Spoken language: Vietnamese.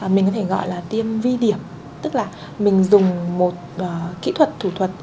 mình có thể gọi là tiêm vi điểm tức là mình dùng một kỹ thuật thủ thuật